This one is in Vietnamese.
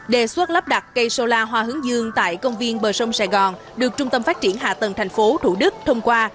đề xuất lắp đặt cây solar hoa hướng dương tại công viên bờ sông sài gòn được trung tâm phát triển hạ tầng thành phố thủ đức thông qua